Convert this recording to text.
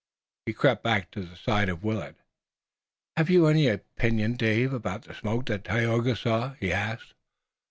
He crept back to the side of Willet. "Have you any opinion, Dave, about the smoke that Tayoga saw," he asked.